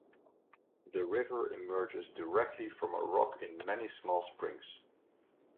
The river emerges directly from a rock in many small springs.